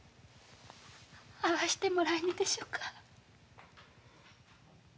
会わしてもらえねでしょうか？